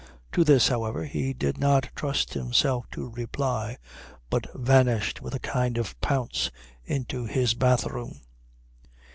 To this, however, he did not trust himself to reply, but vanished with a kind of pounce into his bathroom.